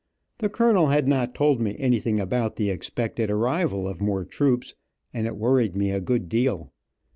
The colonel had not told me anything about the expected arrival of more troops, and it worried me a good deal.